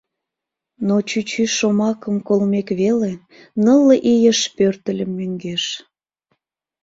Но «чӱчӱ» шомакым колмек веле, Нылле ийыш пӧртыльым мӧҥгеш.